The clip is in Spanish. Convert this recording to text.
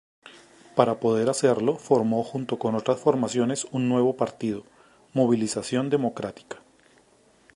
Para poder hacerlo formó junto con otras formaciones un nuevo partido, Movilización Democrática.